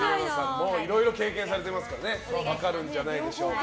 いろいろ経験されてますから分かるんじゃないでしょうか。